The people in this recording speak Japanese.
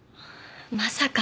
まさか。